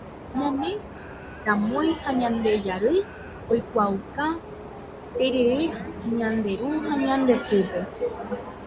Ñane ramói ha ñande jarýi oikuaauka terere ñande ru ha ñande sýpe